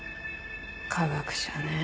科学者ねぇ。